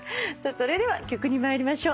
それでは曲に参りましょう。